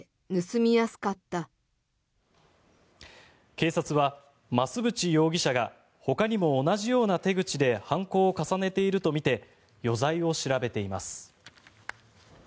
警察は、増渕容疑者がほかにも同じような手口で犯行を重ねているとみて余罪を調べています。